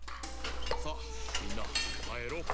さあみんなかえろう。